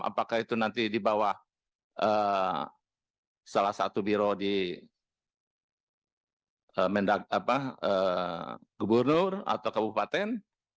apakah itu nanti di bawah salah satu biro di gubernur atau kabupaten